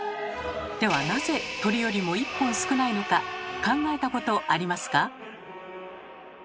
ではなぜ「鳥」よりも一本少ないのか考えたことありますか？